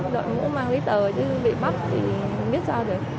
đội mũ mang giấy tờ chứ bị bắt thì biết sao rồi